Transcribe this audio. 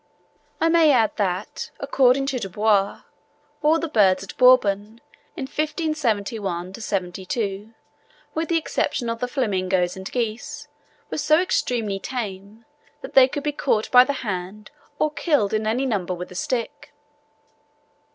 I may add that, according to Du Bois, all the birds at Bourbon in 1571 72, with the exception of the flamingoes and geese, were so extremely tame, that they could be caught by the hand, or killed in any number with a stick.